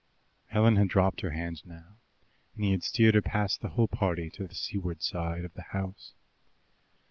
Helen had dropped her hand now, and he had steered her past the whole party to the seaward side of the house.